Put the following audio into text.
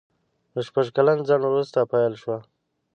له شپږ کلن ځنډ وروسته پېل شوه.